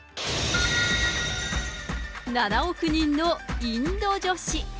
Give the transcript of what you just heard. ７億人のインド女子。